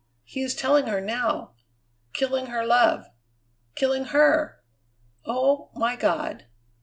He is telling her now! Killing her love killing her! Oh, my God!"